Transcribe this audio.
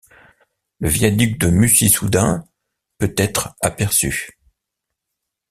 Le viaduc de Mussy-sous-Dun peut être aperçu.